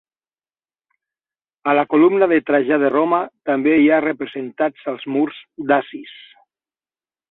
A la columna de Trajà de Roma també hi ha representats els murs dacis.